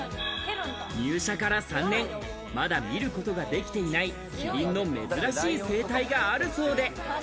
入社から３年、まだ見ることができていないキリンの珍しい生態があるそうで。